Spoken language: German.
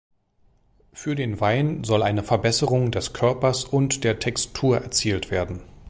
Für den Wein soll eine Verbesserung des Körpers und der Textur erzielt werden.